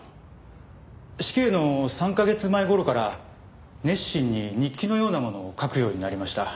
死刑の３カ月前頃から熱心に日記のようなものを書くようになりました。